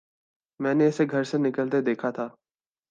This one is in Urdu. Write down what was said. میں نے اسے گھر سے نکلتے دیکھا تھا